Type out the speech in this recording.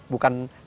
bukan bahan lain